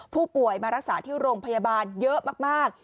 ผู้ป่วยมารักษาที่โรงพยาบาลเยอะมาก